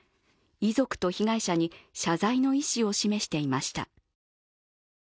遺族と被害者に謝罪の意思を示していました。